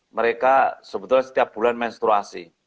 mereka sebetulnya setiap bulan menstruasi